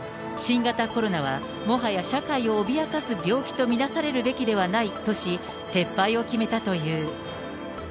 新型コロナはもはや、社会を脅かす病気と見なされるべきではないとし、撤廃を決めたという。